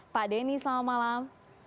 pak deni selamat malam